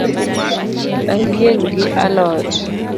Ayieng’ gi a lot